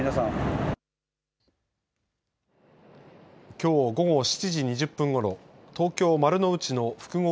きょう午後７時２０分頃東京丸の内の複合